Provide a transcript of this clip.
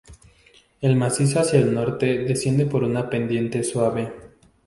El macizo hacia el norte desciende por una pendiente suave.